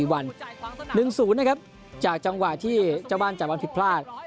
หนึ่งศูนย์นะครับจากจังหวะที่เจ้าบ้านจัดวันผิดพลาด